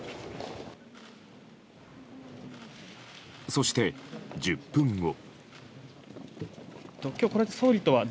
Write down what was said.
そして、１０分後。